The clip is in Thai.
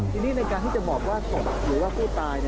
ทีนี้ในการที่จะบอกว่าศพหรือว่าผู้ตาย